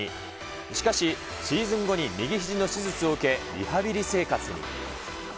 しかし、シーズン後に右ひじの手術を受け、リハビリ生活に。